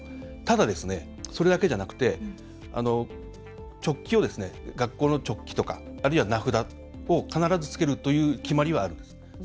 ただ、それだけじゃなくて学校のチョッキとかあるいは名札を必ずつけるという決まりはあるんです。